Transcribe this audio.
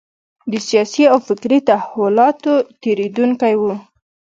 د سیاسي او فکري تحولاتو تېرېدونکی و.